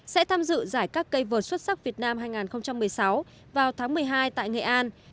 sẽ tham dự giải các cây vượt xuất sắc việt nam hai nghìn một mươi sáu vào tháng một mươi hai tại nghệ an